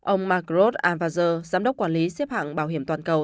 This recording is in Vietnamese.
ông mark roth anvazer giám đốc quản lý xếp hạng bảo hiểm toàn cầu